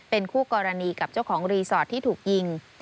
เป็นคู่กรณีกับเจ้าของรีสอร์ทที่ถูกยิง